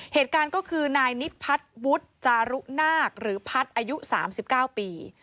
เหตุการณ์ก็คือนายนิพัฒน์วุฒิจารุนาคหรือพัฒน์อายุ๓๙ปี